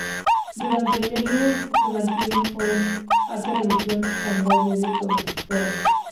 Durante el diálogo que mantienen, el joven hace alusión a "El doble", de Dostoievski.